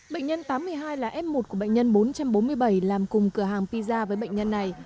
bệnh nhân tám mươi hai là f một của bệnh nhân bốn trăm bốn mươi bảy làm cùng cửa hàng pizza với bệnh nhân này